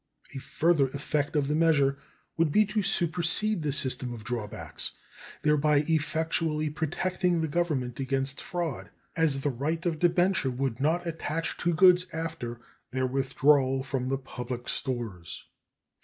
A further effect of the measure would be to supersede the system of drawbacks, thereby effectually protecting the Government against fraud, as the right of debenture would not attach to goods after their withdrawal from the public stores.